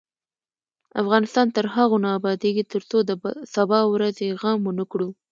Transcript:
افغانستان تر هغو نه ابادیږي، ترڅو د سبا ورځې غم ونکړو.